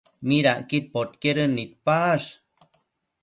¿Midacquid podquedën nidpash?